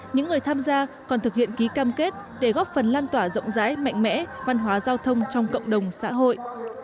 những người tham gia còn thực hiện ký cam kết để góp phần lan tỏa rộng rãi mạnh mẽ văn hóa giao thông trong cộng đồng xã hội